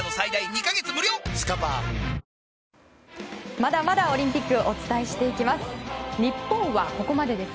まだまだオリンピックお伝えしていきます。